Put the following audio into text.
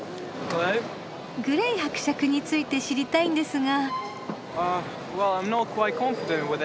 グレイ伯爵について知りたいんですが。